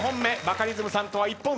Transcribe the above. バカリズムさんとは１本差。